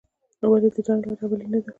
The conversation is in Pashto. ولې د جنګ لاره عملي نه ده؟